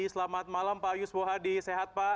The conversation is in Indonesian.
selamat malam pak yuswo hadi sehat pak